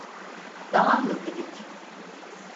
Daha hızlı git.